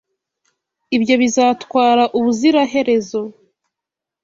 Ibyo bizatwara ubuziraherezo.